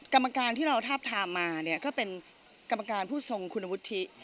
กรรมการที่เราทาบทามมาเนี่ยก็เป็นกรรมการผู้ทรงคุณวุฒิ